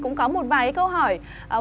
cũng có một vài câu hỏi